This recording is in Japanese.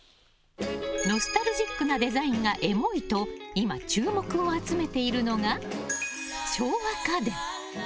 ノスタルジックなデザインがエモいと今、注目を集めているのが昭和家電。